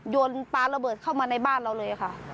ปลาระเบิดเข้ามาในบ้านเราเลยค่ะ